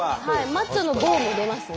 マッチョの「ＧＯ」も出ますね。